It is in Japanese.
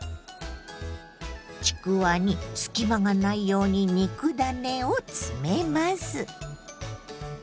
ちくわに隙間がないように肉ダネを詰めます。